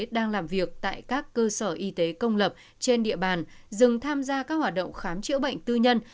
đang làm việc tại các cơ sở y tế công lập trên địa bàn dừng tham gia các hoạt động khám chữa bệnh tư nhân